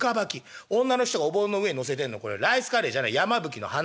女の人がおぼんの上に載せてんのこれライスカレーじゃない山吹の花。